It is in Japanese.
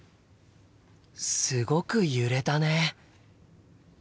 すごく揺れたね。